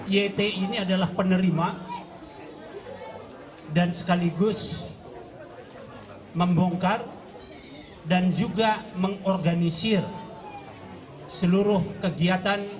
yt ini adalah penerima dan sekaligus membongkar dan juga mengorganisir seluruh kegiatan